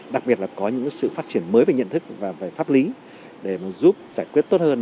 đặc biệt là có những sự phát triển mới về nhận thức và về pháp lý để giúp giải quyết tốt hơn